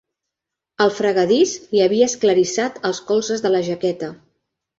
El fregadís li havia esclarissat els colzes de la jaqueta.